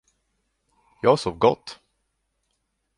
Jag sov gott!